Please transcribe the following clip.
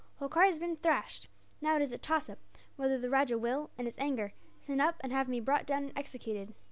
"Holkar has been thrashed. Now it is a toss up whether the rajah will, in his anger, send up and have me brought down and executed.